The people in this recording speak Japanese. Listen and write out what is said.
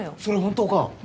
それ本当か？